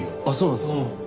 あっそうなんですか。